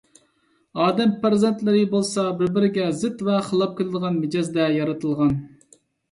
ئادەم پەرزەنتلىرى بولسا بىر - بىرىگە زىت ۋە خىلاپ كېلىدىغان مىجەزدە يارىتىلغان.